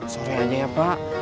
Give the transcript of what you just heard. soreannya ya pak